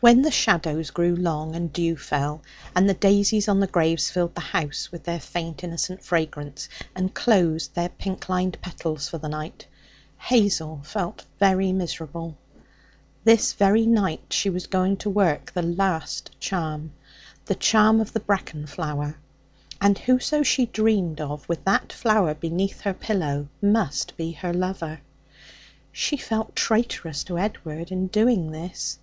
When the shadows grew long and dew fell, and the daisies on the graves filled the house with their faint, innocent fragrance, and closed their pink lined petals for the night, Hazel felt very miserable. This very night she was going to work the last charm the charm of the bracken flower and whoso she dreamed of with that flower beneath her pillow must be her lover. She felt traitorous to Edward in doing this.